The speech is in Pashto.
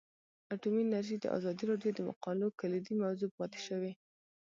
اټومي انرژي د ازادي راډیو د مقالو کلیدي موضوع پاتې شوی.